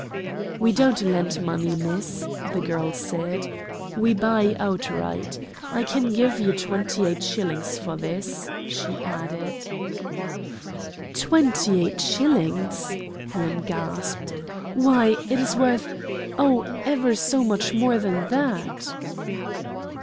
"We don't lend money, miss," the girl said, "we buy outright. I can give you twenty eight shillings for this," she added. "Twenty eight shillings," Helen gasped; "why, it is worth oh, ever so much more than that!"